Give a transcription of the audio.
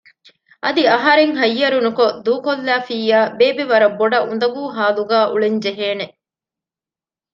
އަދި އަހަރެން ހައްޔަރުނުކޮށް ދޫކޮށްލައިފިއްޔާ ބޭބެ ވަރަށްބޮޑަށް އުނދަގޫ ހާލުގައި އުޅެން ޖެހޭނެ